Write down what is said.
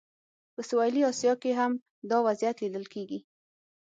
په سویلي اسیا کې هم دا وضعیت لیدل کېږي.